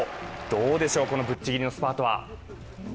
どうでしょう、このぶっちぎりのスパートは。